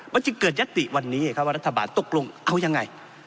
มันจึงเกิดยัตติวันนี้ว่ารัฐบาลตกลงเอายังไง